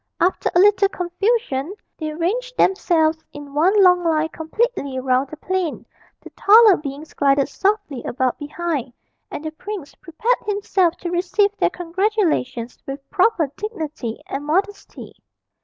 After a little confusion, they ranged themselves in one long line completely round the plain; the taller beings glided softly about behind, and the prince prepared himself to receive their congratulations with proper dignity and modesty.